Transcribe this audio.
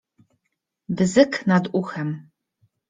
Bzyk nad uchem.